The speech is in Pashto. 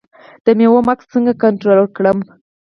د میوو مګس څنګه کنټرول کړم؟